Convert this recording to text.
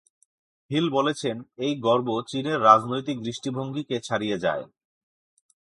Hill বলেছেন, এই গর্ব চীনের রাজনৈতিক দৃষ্টিভঙ্গিকে ছাড়িয়ে যায়।